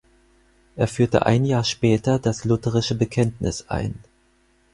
Er führte ein Jahr später das lutherische Bekenntnis ein.